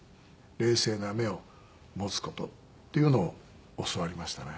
冷静な目を持つ事っていうのを教わりましたね。